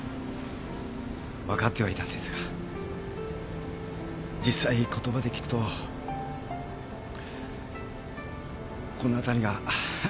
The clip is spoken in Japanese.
分かってはいたんですが実際言葉で聞くとこの辺りがたまらんようになって。